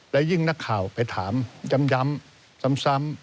และยิ่งนักข่าวไปถามย้ำซ้ำ